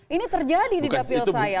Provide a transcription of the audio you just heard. ini terjadi di dapil saya luar biasa